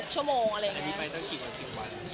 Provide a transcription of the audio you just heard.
๕๖ชั่วโมงอะไรอย่างนี้